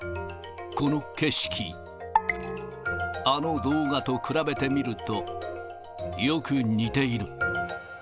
この景色、あの動画と比べてみると、よく似ている。